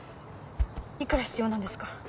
いくら必要なんですか？